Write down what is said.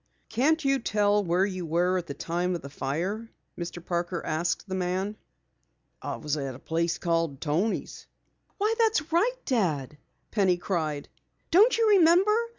"Can't you tell where you were at the time of the fire?" Mr. Parker asked the man. "I was at a place called Toni's." "Why, that's right, Dad!" Penny cried. "Don't you remember?